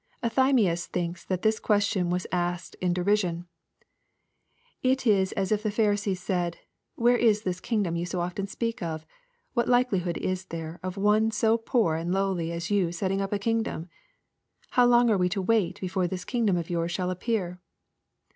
] Euthymius thinks that this question was asked in derision. It is as if the Pharisees said, " where is this kingdom you so often speak of? what likelihood is there of one so poor and lowly as you setting up a kingdom ? How long are we to wait before this kingdom of yours shall appear